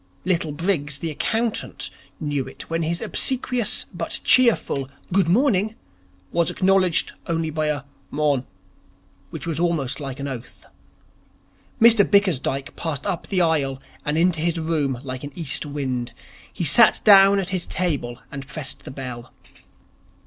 Little Briggs, the accountant, knew it when his obsequious but cheerful 'Good morning' was acknowledged only by a 'Morn'' which was almost an oath. Mr Bickersdyke passed up the aisle and into his room like an east wind. He sat down at his table and pressed the bell.